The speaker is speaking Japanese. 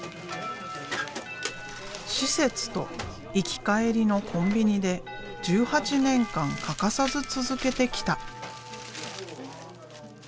施設と行き帰りのコンビニで１８年間欠かさず続けてきた。